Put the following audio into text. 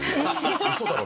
「嘘だろ？」